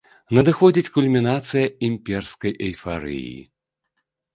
Надыходзіць кульмінацыя імперскай эйфарыі.